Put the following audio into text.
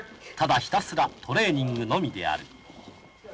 ただひたすらトレーニングのみである。